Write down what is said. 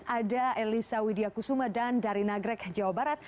ada elisa widya kusuma dan dari nagrek jawa barat